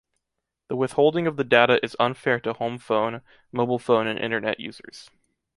The withholding of the data is unfair to home phone, mobile phone and internet users.